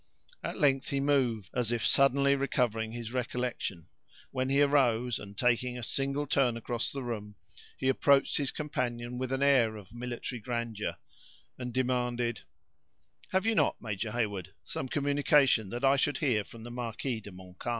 At length he moved, and as if suddenly recovering his recollection; when he arose, and taking a single turn across the room, he approached his companion with an air of military grandeur, and demanded: "Have you not, Major Heyward, some communication that I should hear from the marquis de Montcalm?"